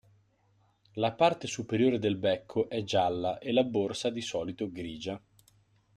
La parte superiore del becco è gialla e la borsa di solito grigia.